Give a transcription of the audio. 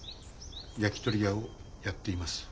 焼きとり屋をやっています。